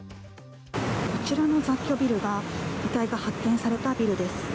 こちらの雑居ビルが遺体が発見されたビルです。